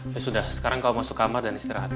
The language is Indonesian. ya sudah sekarang kau masuk kamar dan istirahat